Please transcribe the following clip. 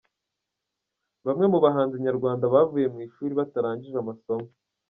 Bamwe mu bahanzi nyarwanda bavuye mu ishuri batarangije amasomo:.